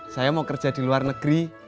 saya mau kerja di luar negeri